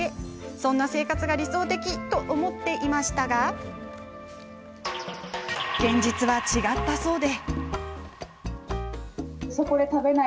そんな生活が理想的と思っていましたが現実は違ったそうで。